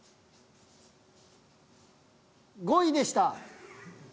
５位でした。